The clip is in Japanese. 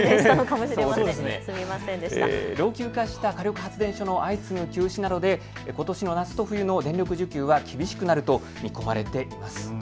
老朽化した火力発電所の相次ぐ休止などで、ことしの夏と冬の電力需給が厳しくなると見込まれています。